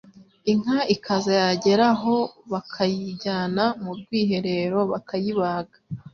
inka ikaza yagera aho bakayijyana mu rwiherero bakayibaga,